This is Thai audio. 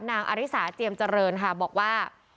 อาริสาเจียมเจริญค่ะบอกว่า